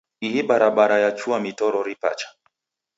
Ihi barabara yachua mitorori pacha.